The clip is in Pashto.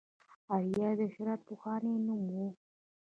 اریا د هرات پخوانی نوم و